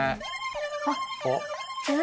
あっ。